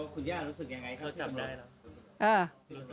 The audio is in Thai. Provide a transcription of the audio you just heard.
คุณแยรูสึกอย่างไรเขาจับได้นะ